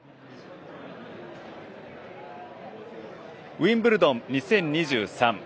ウィンブルドン２０２３。